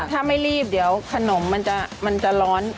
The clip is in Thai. ถ้าไม่รีบเดี๋ยวขนมมันจะร้อน